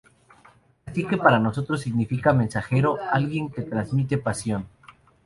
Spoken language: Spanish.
Así que para nosotros, significa "mensajero" alguien que transmite "pasión".